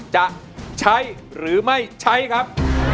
จะใช้หรือไม่ใช้ครับ